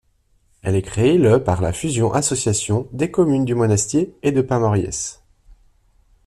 Elle est créée le par la fusion-association des communes du Monastier et de Pin-Moriès.